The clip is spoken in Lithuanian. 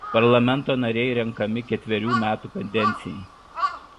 Parlamento nariai renkami ketverių metų kadencijai.